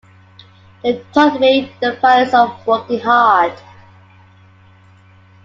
They taught me the values of working hard.